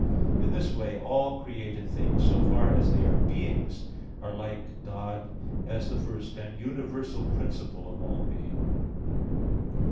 In this way all created things, so far as they are beings, are like God as the first and universal principle of all being.